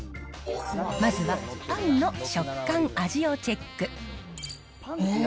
まずは、パンの食感、味をチェッえー？